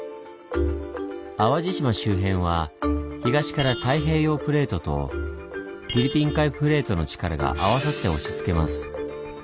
淡路島周辺は東から太平洋プレートとフィリピン海プレートの力が合わさって押しつけます。